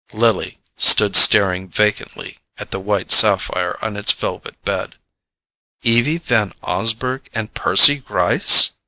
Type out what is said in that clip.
Lily stood staring vacantly at the white sapphire on its velvet bed. Evie Van Osburgh and Percy Gryce?